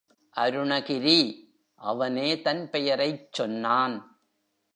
அருணகிரி! அவனே தன் பெயரைச் சொன்னான்.